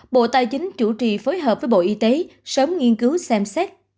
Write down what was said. bộ tài chính chủ trì phối hợp với bộ y tế sớm nghiên cứu xem xét